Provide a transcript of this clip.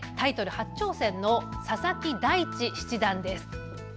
初挑戦の佐々木大地七段です。